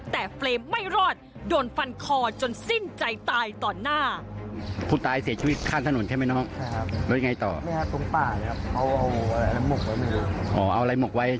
แต่เฟรมไม่รอดโดนฟันคอจนสิ้นใจตายต่อหน้า